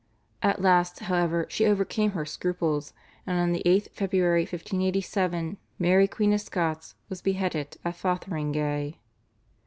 At last, however, she overcame her scruples, and on the 8th February 1587, Mary Queen of Scots was beheaded at Fotheringay.